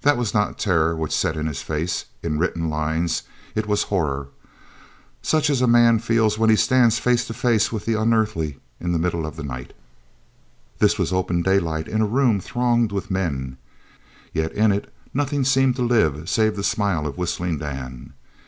That was not terror which set his face in written lines it was horror, such as a man feels when he stands face to face with the unearthly in the middle of night. This was open daylight in a room thronged with men, yet in it nothing seemed to live save the smile of Whistling Dan.